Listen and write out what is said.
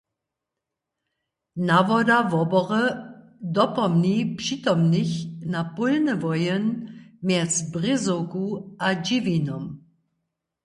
Nawoda wobory dopomni přitomnych na pólny woheń mjez Brězowku a Dźěwinom.